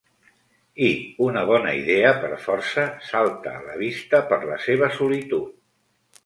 I una bona idea per força salta a la vista per la seva solitud.